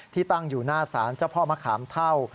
ตั้งอยู่หน้าศาลเจ้าพ่อมะขามเท่า